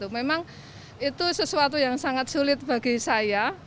memang itu sesuatu yang sangat sulit bagi saya